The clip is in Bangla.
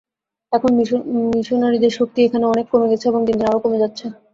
এখন মিশনরীদের শক্তি এখানে অনেক কমে গেছে এবং দিন দিন আরও কমে যাচ্ছে।